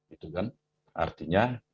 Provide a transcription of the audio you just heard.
itu kan artinya